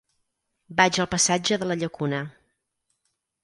Vaig al passatge de la Llacuna.